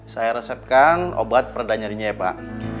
saya resepkan obat peredanyarinya ya pak